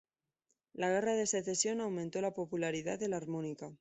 La Guerra de Secesión aumentó la popularidad de la armónica.